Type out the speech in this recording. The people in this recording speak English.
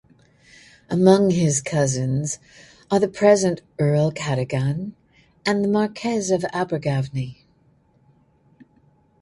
Among his cousins are the present Earl Cadogan and the Marquess of Abergavenny.